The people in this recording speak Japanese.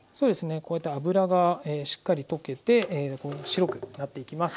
こうやって脂がしっかり溶けて白くなっていきます。